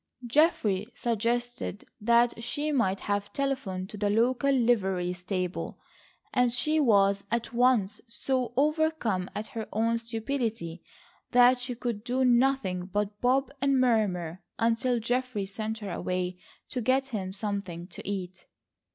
Geoffrey suggested that she might have telephoned to the local livery stable, and she was at once so overcome at her own stupidity that she could do nothing but bob and murmur, until Geoffrey sent her away to get him something to eat.